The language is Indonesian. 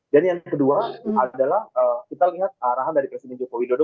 dan yang kedua adalah kita lihat arahan dari presiden joko widodo